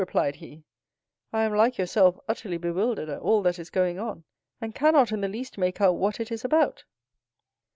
replied he; "I am, like yourself, utterly bewildered at all that is going on, and cannot in the least make out what it is about."